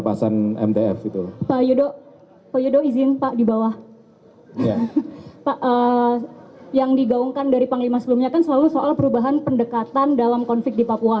pak yang digaungkan dari panglima sebelumnya kan selalu soal perubahan pendekatan dalam konflik di papua